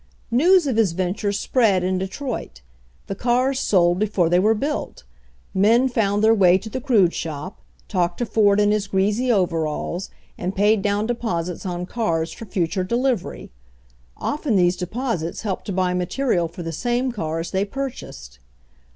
News of his venture spread in Detroit. The cars sold before they were built. Men found their way to the crude shop, talked to Ford in his greasy overalls, and paid down deposits on cars for future delivery. . Often these deposits helped to buy material for the same cars they pur chased.